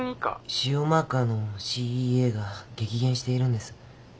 腫瘍マーカーのＣＥＡが激減しているんです。